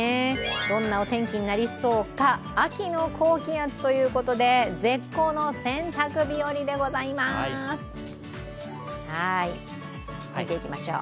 どんなお天気になりそうか秋の高気圧ということで絶好の洗濯日和でございます、見ていきましょう。